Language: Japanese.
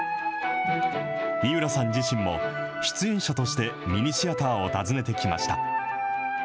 井浦さん自身も、出演者としてミニシアターを訪ねてきました。